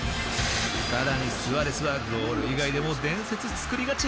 さらにスアレスはゴール以外でも伝説作りがち。